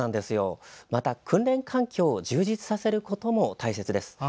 訓練環境を充実させることも重要です。